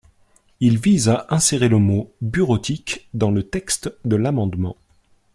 Il vise à insérer le mot « bureautique » dans le texte de l’amendement.